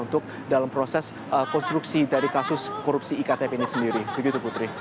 untuk dalam proses konstruksi dari kasus korupsi iktp ini sendiri begitu putri